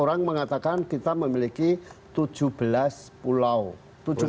orang mengatakan kita memiliki tujuh belas pulau